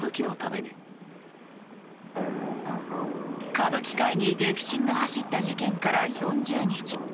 歌舞伎界に激震が走った事件から４０日。